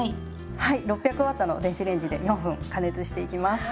はい６００Ｗの電子レンジで４分加熱していきます。